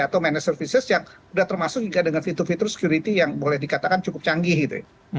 atau manage services yang sudah termasuk juga dengan fitur fitur security yang boleh dikatakan cukup canggih gitu ya